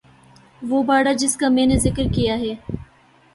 وہ باڑہ جس کا میں نے ذکر کیا ہے